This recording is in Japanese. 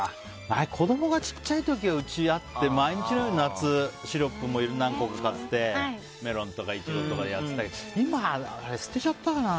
うち、小さいころは毎日のようにシロップも何個か買ってメロンとかイチゴとかでやってたけど今、捨てちゃったかな。